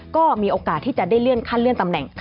ก็มีโอกาสที่จะได้เลื่อนขั้นเลื่อนตำแหน่ง